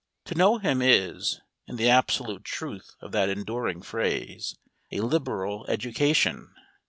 To know him is, in the absolute truth of that enduring phrase, a liberal education.